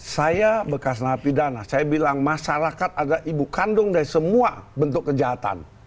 saya bekas napi dana saya bilang masyarakat adalah ibu kandung dari semua bentuk kejahatan